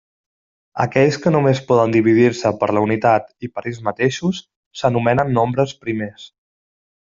Aquells que només poden dividir-se per la unitat i per ells mateixos s'anomenen nombres primers.